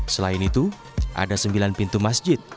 selain itu ada sembilan pintu masjid